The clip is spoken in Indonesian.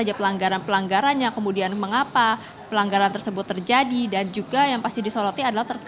jadi ini juga akan menjadi bagian dari dpr